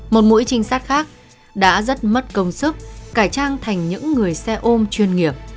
một mũi trinh sát khác đã rất mất công sức cải trang thành những người xe ôm chuyên nghiệp